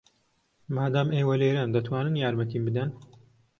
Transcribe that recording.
مادام ئێوە لێرەن، دەتوانن یارمەتیم بدەن.